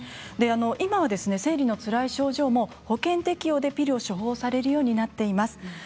今は生理のつらい症状も保険適用でピルを処方されるようになっています。